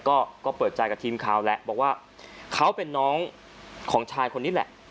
ก็ก็เปิดใจกับทีมข่าวแหละบอกว่าเขาเป็นน้องของชายคนนี้แหละ